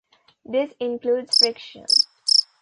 This includes friction.